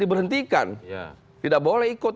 diberhentikan tidak boleh ikut